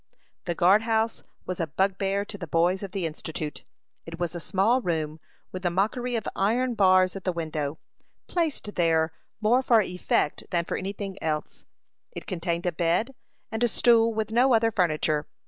The guard house was a bugbear to the boys of the Institute. It was a small room, with the mockery of iron bars at the window, placed there more for effect than for any thing else. It contained a bed and a stool, with no other furniture.